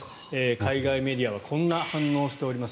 海外メディアはこんな反応をしております。